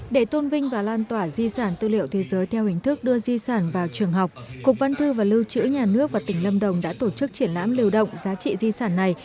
để tôn vinh và lan tỏa di sản tư liệu thế giới theo hình thức đưa di sản vào trường học cục văn thư và lưu trữ nhà nước và tỉnh lâm đồng đã tổ chức triển lãm lưu động giá trị di sản này